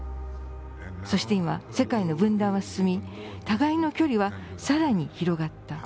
そして今世界の分断は進み互いの距離はさらに広がった。